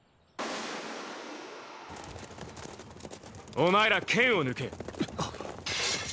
お前ら剣を抜け。